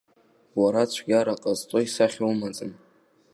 Уара цәгьара ҟазҵо исахьа умаӡам.